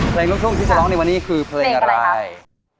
ลูกทุ่งที่จะร้องในวันนี้คือเพลงอะไร